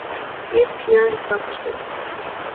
He is pure selfishness.